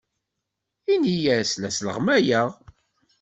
Ini-as la sleɣmayeɣ.